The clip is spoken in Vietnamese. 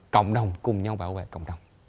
cộng đồng cùng nhau bảo vệ cộng đồng